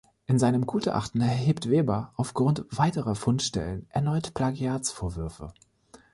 In seinem Gutachten erhebt Weber aufgrund weiterer Fundstellen erneut Plagiatsvorwürfe.